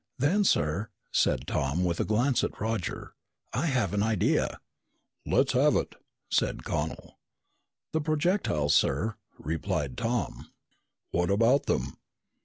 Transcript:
"Then, sir," said Tom with a glance at Roger, "I have an idea." "Let's have it," said Connel. "The projectiles, sir," replied Tom. "What about them?"